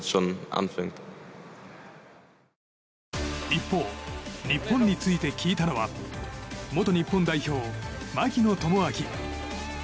一方日本について聞いたのは元日本代表、槙野智章。